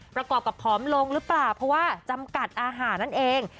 ประกอบกับผอมลงหรือเปล่าเพราะว่าจำกัดอาหารนั่นเอง